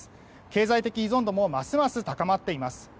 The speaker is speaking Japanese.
経済的依存度もますます高まっています。